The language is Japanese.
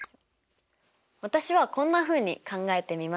私はこんなふうに考えてみました。